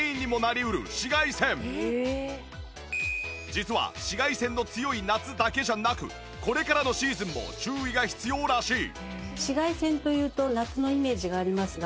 実は紫外線の強い夏だけじゃなくこれからのシーズンも注意が必要らしい